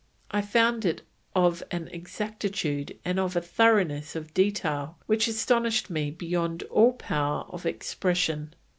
I found it of an exactitude and of a thoroughness of detail which astonished me beyond all power of expression.